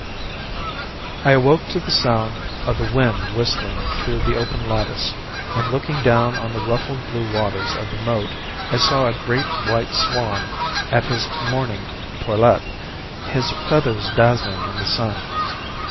I awoke to the sound of the wind whistling through the open lattice, and looking down on the ruffled blue waters of the moat I saw a great white swan at his morning toilet, his feathers dazzling in the sun.